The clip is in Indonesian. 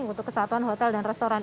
untuk kesatuan hotel dan restoran